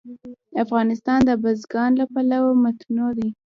افغانستان د بزګان له پلوه متنوع دی.